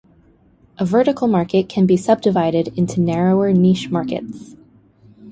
A vertical market can be subdivided into narrower niche markets.